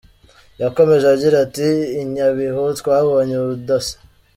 Yakomeje agira ati “I Nyabihu twabonye ubudasa.